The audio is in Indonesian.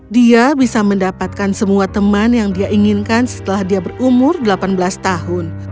dia akan menemukan semua teman yang dia inginkan setelah berumur delapan belas tahun